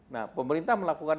nah pemerintah melakukan